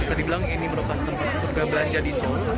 bisa dibilang ini merupakan tempat surga belanja di solo